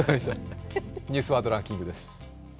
「ニュースワードランキング」です。